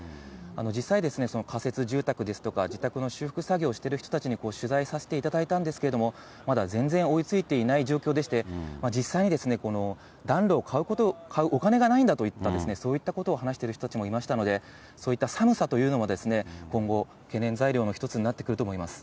実際、仮設住宅ですとか、自宅の修復作業をしている人たちに取材させていただいたんですけれども、まだ全然追いついていない状況でして、実際に暖炉を買うお金がないんだといった、そういったことを話している人たちもいましたので、そういった寒さというのも、今後、懸念材料の一つになってくると思います。